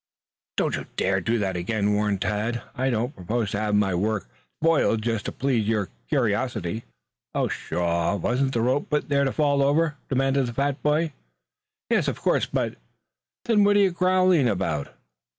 "Don't you dare do that again," warned Tad. "I don't propose to have my work spoiled just to please your curiosity." "Pshaw! Wasn't the rope put there to fall over?" demanded the fat boy. "Yes. Of course, but " "Then, what are you growling about?"